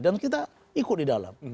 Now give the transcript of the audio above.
dan kita ikut di dalam